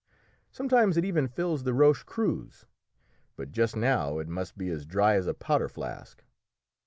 Sometimes it even fills the Roche Creuse, but just now it must be as dry as a powder flask."